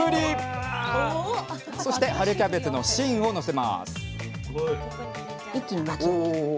そして春キャベツの芯をのせます